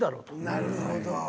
なるほど。